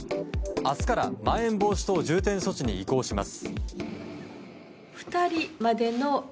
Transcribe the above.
明日からまん延防止等重点措置に移行します。